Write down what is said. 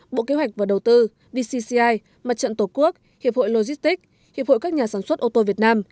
bộ kế hoạch và đầu tư vcci mặt trận tổ quốc hiệp hội logistics hiệp hội các nhà sản xuất ô tô việt nam